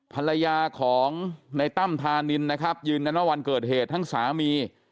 ภรรยาของในตั้มธานินนะครับยืนยันว่าวันเกิดเหตุทั้งสามี